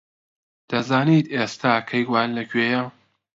دەزانیت ئێستا کەیوان لەکوێیە؟